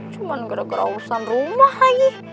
cuman gara gara urusan rumah lagi